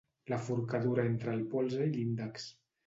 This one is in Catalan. La forcadura entre el polze i l'índex.